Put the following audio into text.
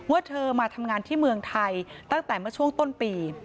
เธอมาทำงานที่เมืองไทยตั้งแต่เมื่อช่วงต้นปี